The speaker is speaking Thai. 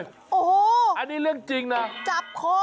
โอ้โฮจับคองูอย่างนี้เลยเหรออันนี้เรื่องจริงนะ